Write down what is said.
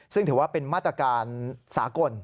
ซึ่งถือว่าเป็นมาตรการสากล